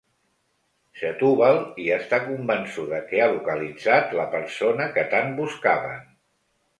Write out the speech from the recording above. Setúbal, i està convençuda que ha localitzat la persona que tant buscaven.